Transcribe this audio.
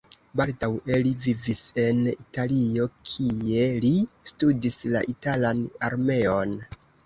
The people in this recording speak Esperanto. Baldaŭe li vivis en Italio, kie li studis la italan armeon.